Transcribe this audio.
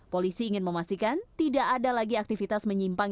polisi ingin memastikan tidak ada lagi aktivitas menyimpang